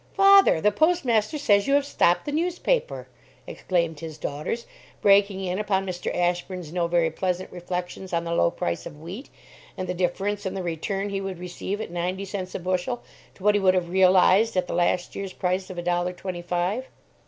"Father, the postmaster says you have stopped the newspaper!" exclaimed his daughters, breaking in upon Mr. Ashburn's no very pleasant reflections on the low price of wheat, and the difference in the return he would receive at ninety cents a bushel to what he would have realized at the last year's price of a dollar twenty five.